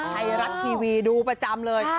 ไทยรัฐทีวีดูประจำเลย